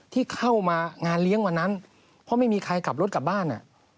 ที่เข้ามางานเลี้ยงวันนั้นเพราะไม่มีใครขับรถกลับบ้าน